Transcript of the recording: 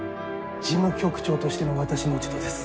事務局長としての私の落ち度です。